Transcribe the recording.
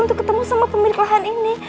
untuk ketemu sama pemilik lahan ini